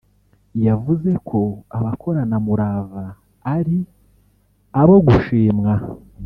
yavuze ko “Abakoranamurava” ari abo gushimwa